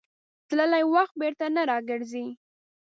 تللی وخت بېرته نه راګرځي.